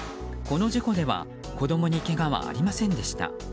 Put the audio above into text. この事故では子供にけがはありませんでした。